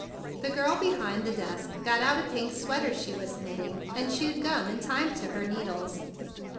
The girl behind the desk got out a pink sweater she was knitting, and chewed gum in time to her needles.